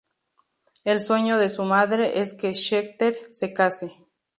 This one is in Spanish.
El sueño de su madre es que Skeeter se case.